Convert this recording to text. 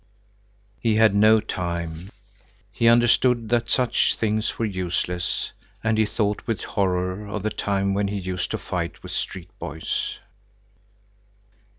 He had no time; he understood that such things were useless, and he thought with horror of the time when he used to fight with street boys.